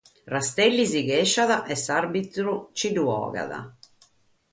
Rastelli protestat e s'àrbitru nche lu bogat.